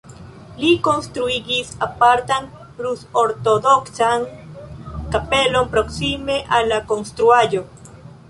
Li konstruigis apartan rus-ortodoksan kapelon proksime al la konstruaĵo.